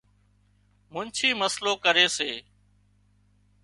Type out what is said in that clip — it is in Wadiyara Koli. منڇي مسئلو ڪري سي